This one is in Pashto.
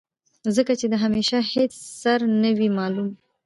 ځکه چې د همېشه هېڅ سر نۀ وي معلوم